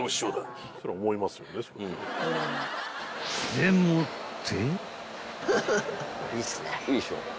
［でもって］